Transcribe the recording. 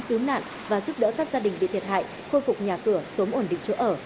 cứu nạn và giúp đỡ các gia đình bị thiệt hại khôi phục nhà cửa sớm ổn định chỗ ở